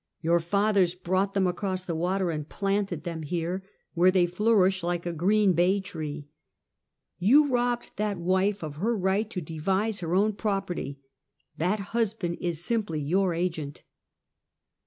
Your fathers brought them across the water and planted them here, where they flourish like a green bay tree. You robbed that wife of her right to devise her own property — that husband is simply your agent."